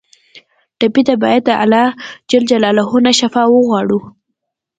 ټپي ته باید د الله نه شفا وغواړو.